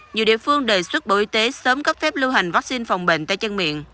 nhiều địa phương đề xuất bộ y tế sớm cấp phép lưu hành vaccine phòng bệnh tay chân miệng